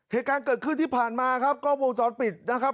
เหตุการณ์เกิดขึ้นที่ผ่านมาครับกล้องวงจรปิดนะครับ